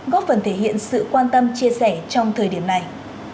góp phần thể hiện sự quan tâm chia sẻ trong thời điểm này